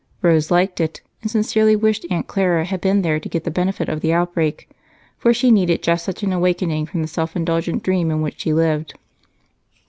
Rose liked it, and sincerely wished Aunt Clara had been there to get the benefit of the outbreak, for she needed just such an awakening from the self indulgent dream in which she lived.